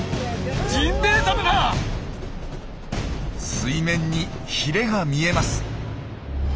水面にヒレが見えます。